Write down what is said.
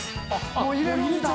もう入れるんだ。